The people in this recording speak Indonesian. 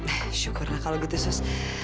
ya syukur lah kalau gitu sus